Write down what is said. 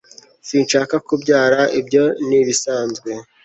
sinshaka kubyara. ibyo ntibisanzwe